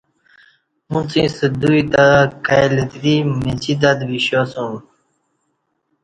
اݩڅ ایݩستہ دوئ تہ کائ لتری مجیتت وشیاسوم